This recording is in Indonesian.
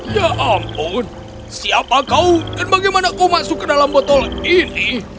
ya ampun siapa kau dan bagaimana kau masuk ke dalam botol ini